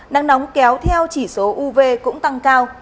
nắng nóng kéo theo chỉ số uv cũng tăng cao